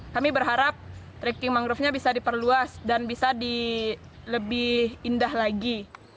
kami berharap trekking mangrovenya bisa diperluas dan bisa lebih indah lagi